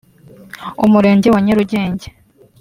Umurenge wa Nyarugenge